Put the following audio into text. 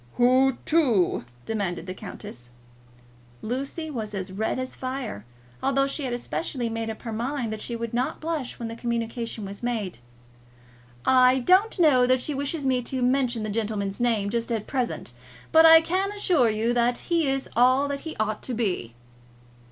"Who to?" demanded the countess. Lucy was as red as fire, although she had especially made up her mind that she would not blush when the communication was made. "I don't know that she wishes me to mention the gentleman's name, just at present; but I can assure you that he is all that he ought to be."